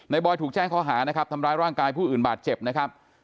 บอยถูกแจ้งข้อหานะครับทำร้ายร่างกายผู้อื่นบาดเจ็บนะครับ